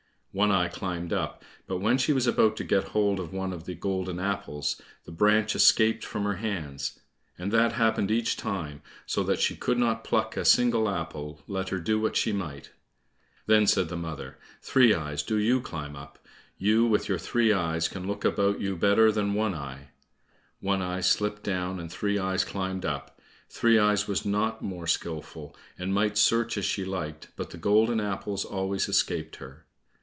One eye climbed up, but when she was about to get hold of one of the golden apples, the branch escaped from her hands, and that happened each time, so that she could not pluck a single apple, let her do what she might. Then said the mother, "Three eyes, do you climb up; you with your three eyes can look about you better than One eye." One eye slipped down, and Three eyes climbed up. Three eyes was not more skilful, and might search as she liked, but the golden apples always escaped her.